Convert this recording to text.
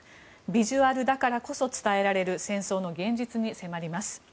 ビジュアルだからこそ伝えられる戦争の現実に迫ります。